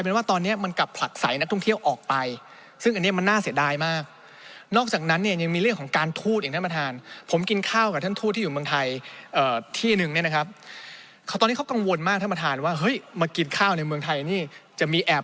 นี่ฮะที่ผมชี้ตัวอักษรสีแดงไว้